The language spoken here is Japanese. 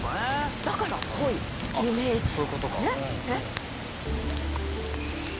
だから「本意イメージ」ね。